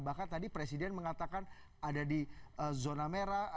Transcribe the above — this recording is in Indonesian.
bahkan tadi presiden mengatakan ada di zona merah